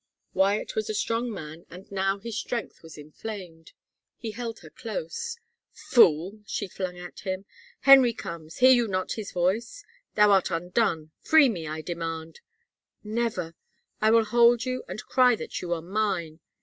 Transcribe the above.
Wyatt was a strong man and now his strength was inflamed. He held her close. " Fool !" she flung at him. " Henry comes — hear you not his voice ? Thou art undone — free me, I demand !"" Never ; I will hold you and cry that you are mine.